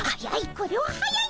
これは速い！